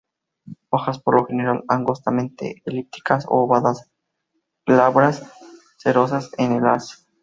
Hojas por lo general angostamente elípticas a ovadas, glabras, cerosas en el haz.